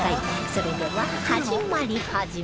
それでは始まり始まり